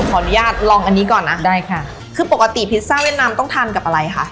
ขออนุญาตลองอันนี้ก่อนนะได้ค่ะคือปกติพิซซ่าเวียดนามต้องทานกับอะไรคะ